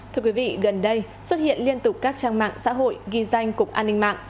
thưa quý vị gần đây xuất hiện liên tục các trang mạng xã hội ghi danh cục an ninh mạng